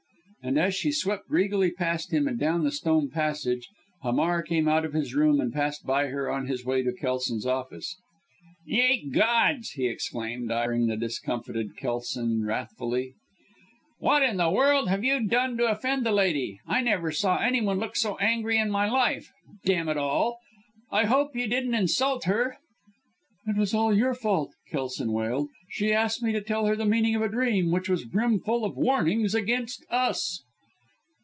And as she swept regally past him and down the stone passage, Hamar came out of his room and passed by her on his way to Kelson's office. "Ye gods!" he exclaimed, eyeing the discomfited Kelson wrathfully. "What in the world have you done to offend the lady? I never saw any one look so angry in my life. D n it all! I hope you didn't insult her!" "It was all your fault!" Kelson wailed. "She asked me to tell her the meaning of a dream which was brimful of warnings against us."